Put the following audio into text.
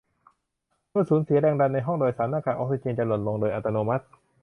เมื่อสูญเสียแรงดันในห้องโดยสารหน้ากากออกซิเจนจะหล่นลงโดยอัตโนมัติ